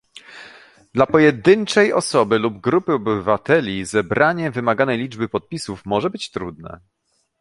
Dla pojedynczej osoby lub grupy obywateli zebranie wymaganej liczby podpisów może być trudne